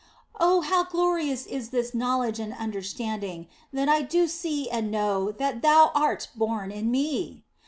Oh how glorious is this knowledge and understanding, that I do see and know that Thou art born in me.